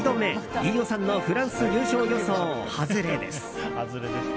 飯尾さんのフランス優勝予想外れです。